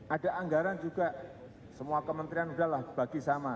ada anggaran juga semua kementerian udahlah bagi sama